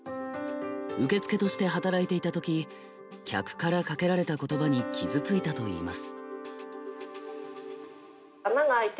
受付として働いていた時客からかけられた言葉に傷ついたといいます。